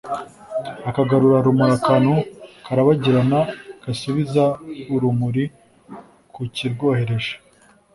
Akagarura rumuriAkantu karabagirana gasubiza urumuri ku kirwohereje